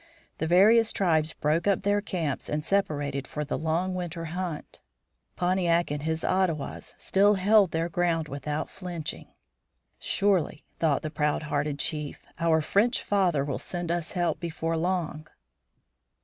The various tribes broke up their camps and separated for the long winter hunt. Pontiac and his Ottawas still held their ground without flinching. "Surely," thought the proud hearted chief, "our French father will send us help before long."